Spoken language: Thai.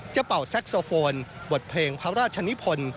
เป่าแซ็กโซโฟนบทเพลงพระราชนิพล